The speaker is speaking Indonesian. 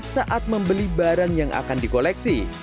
saat membeli barang yang akan di koleksi